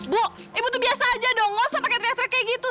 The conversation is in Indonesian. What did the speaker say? bu ibu tuh biasa aja dong gak usah pakai driver kayak gitu